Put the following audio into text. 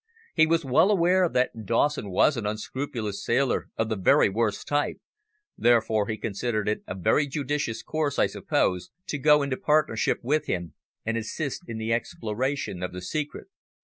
He was well aware that Dawson was an unscrupulous sailor of the very worst type, therefore he considered it a very judicious course, I suppose, to go into partnership with him and assist in the exploration of the secret.